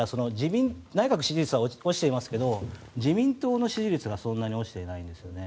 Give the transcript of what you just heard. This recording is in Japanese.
内閣支持率は落ちていますが自民党の支持率はそんなに落ちていないんですよね。